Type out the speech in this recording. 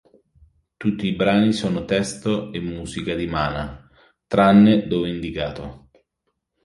Tutti i brani sono testo e musica di Mana, tranne dove indicato.